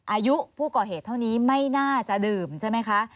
อายุผู้ก่อเหตุเท่านี้ไม่น่าจะดื่มใช่ไหมคะ